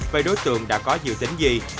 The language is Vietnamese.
vậy đối tượng đã có dự tính gì